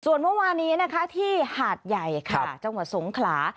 ส่วนเมื่อวานี้นะคะที่หาดใหญ่ค่ะจังหวัดสงขลา